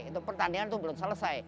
itu pertandingan itu belum selesai